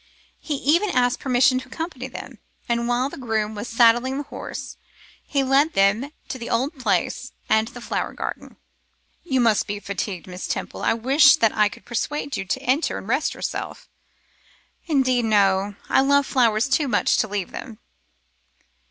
He even asked permission to accompany them; and while his groom was saddling his horse he led them to the old Place and the flower garden. 'You must be very fatigued, Miss Temple. I wish that I could persuade you to enter and rest yourself.' 'Indeed, no: I love flowers too much to leave them.